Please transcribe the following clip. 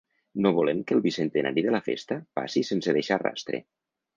No volem que el bicentenari de la festa passi sense deixar rastre.